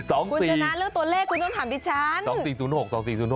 เออ๒๔คุณเจน่าเรื่องตัวเลขคุณต้องถามดิฉัน